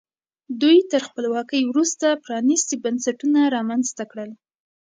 دوی تر خپلواکۍ وروسته پرانیستي بنسټونه رامنځته کړل.